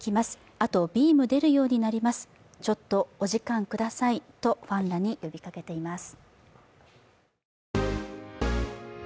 あとビーム出るようになります、ちょっとお時間ください、とファンらに呼びかけています。